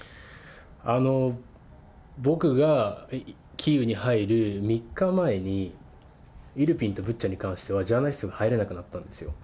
僕がキーウに入る３日前に、イルピンとブッチャに関しては、ジャーナリストも入れなくなったんですよ。